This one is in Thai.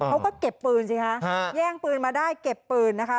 เขาก็เก็บปืนสิฮะแย่งปืนมาได้เก็บปืนนะคะ